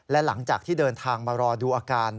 และหลังจากที่เดินทางมารอดูอาการ